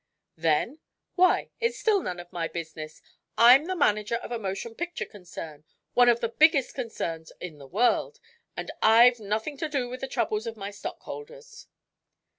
"Then? Why, it is still none of my business. I'm the manager of a motion picture concern one of the biggest concerns in the world and I've nothing to do with the troubles of my stockholders."